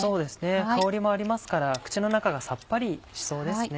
香りもありますから口の中がさっぱりしそうですね。